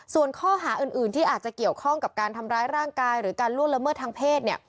ส่วนข้อหาอื่นที่อาจจะเกี่ยวข้องกับการทำร้ายร่างกายหรือการล่วงละเมิดทางเพศเนี่ย